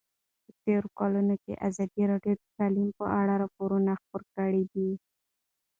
په تېرو کلونو کې ازادي راډیو د تعلیم په اړه راپورونه خپاره کړي دي.